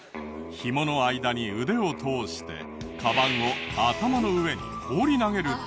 ひもの間に腕を通してかばんを頭の上に放り投げると。